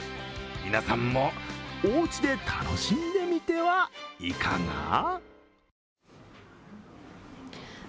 皆さんも、おうちで楽しんでみてはいかが？